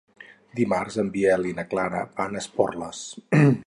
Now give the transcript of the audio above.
Dimarts en Biel i na Clara van a Esporles.